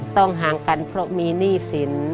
ห่างกันเพราะมีหนี้สิน